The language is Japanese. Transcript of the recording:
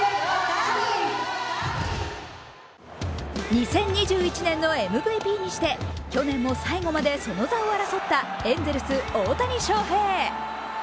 ２０２１年のＭＶＰにして去年も最後までその座を争ったエンゼルス・大谷翔平。